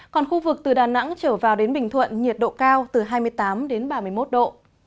còn khu vực từ đà nẵng trở vào đến bình thuận nhiệt độ cao từ hai mươi tám đến ba mươi một độ